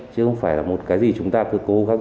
chứ không phải là một cái gì chúng ta cứ cố gắng